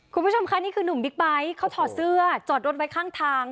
คุณผู้ชมค่ะนี่คือหนุ่มบิ๊กไบท์เขาถอดเสื้อจอดรถไว้ข้างทาง